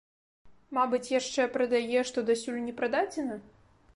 Мабыць, яшчэ прадае, што дасюль не прададзена?